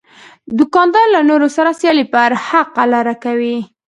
دوکاندار له نورو سره سیالي پر حقه لار کوي.